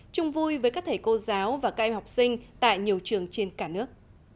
chung vui với các thầy cô giáo và các em học sinh tại nhiều trường trên cả nước